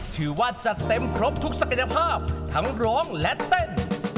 จัดเต็มครบทุกศักยภาพทั้งร้องและเต้น